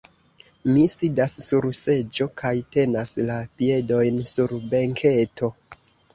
Mi sidas sur seĝo kaj tenas la piedojn sur benketo.